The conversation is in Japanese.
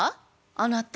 あなた。